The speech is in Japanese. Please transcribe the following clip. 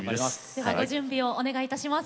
ではご準備をお願いいたします。